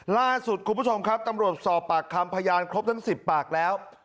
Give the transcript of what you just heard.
ล่าสุดคุณผู้ชมครับตำรวจสอบปากคำพยานครบทั้ง๑๐ปากแล้ว